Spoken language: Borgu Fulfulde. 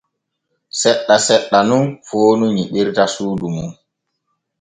Seɗɗa seɗɗa nun foonu nyiɓata suudu mum.